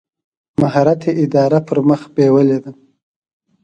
مهارت یې اداره پر مخ بېولې ده.